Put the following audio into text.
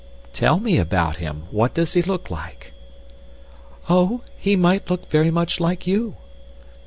"Tell me about him. What does he look like?" "Oh, he might look very much like you."